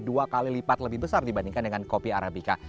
dua kali lipat lebih besar dibandingkan dengan kopi arabica